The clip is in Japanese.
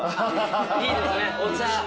いいですねお茶。